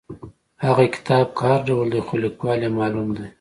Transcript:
هغه کتاب که هر ډول دی خو لیکوال یې معلوم دی.